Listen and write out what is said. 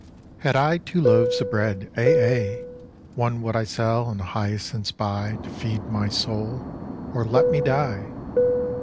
"Had I two loaves of bread ay, ay! One would I sell and hyacinths buy To feed my soul." "Or let me die!"